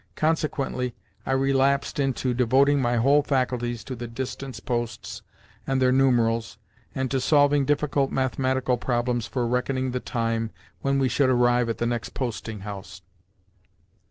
Consequently, I relapsed into devoting my whole faculties to the distance posts and their numerals, and to solving difficult mathematical problems for reckoning the time when we should arrive at the next posting house.